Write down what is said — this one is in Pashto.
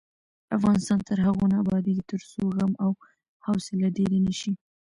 افغانستان تر هغو نه ابادیږي، ترڅو زغم او حوصله ډیره نشي.